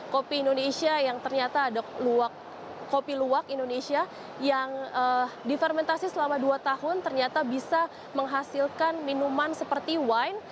kopi indonesia yang ternyata ada kopi luwak indonesia yang difermentasi selama dua tahun ternyata bisa menghasilkan minuman seperti wine